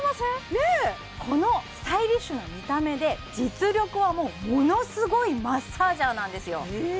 ねえこのスタイリッシュな見た目で実力はもうものすごいマッサージャーなんですよ